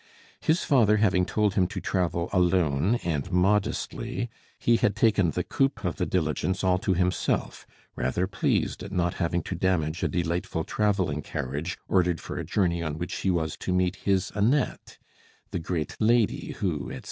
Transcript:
His father having told him to travel alone and modestly, he had taken the coupe of the diligence all to himself, rather pleased at not having to damage a delightful travelling carriage ordered for a journey on which he was to meet his Annette, the great lady who, etc.